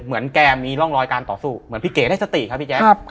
เหมือนแกมีร่องรอยการต่อสู้เหมือนพี่เก๋ได้สติครับพี่แจ๊ค